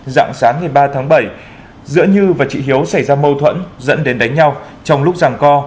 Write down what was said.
dạng sáng ngày ba tháng bảy giữa như và chị hiếu xảy ra mâu thuẫn dẫn đến đánh nhau trong lúc rằng co